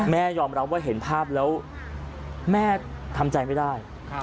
ยอมรับว่าเห็นภาพแล้วแม่ทำใจไม่ได้